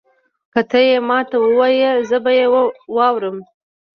که تۀ یې ماته ووایي زه به یې واورمه.